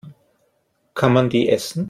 Kann man die essen?